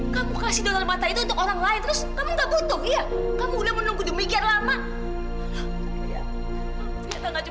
kamu kasih donor mata itu untuk orang lain terus kamu gak butuh ya